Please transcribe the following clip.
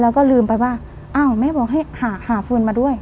แล้วก็ลืมไปว่าอ้าวแม่บอกให้หาฟืนมาด้วย